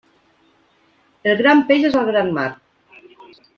El gran peix és al gran mar.